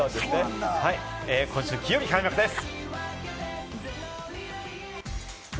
今週金曜日、開幕です。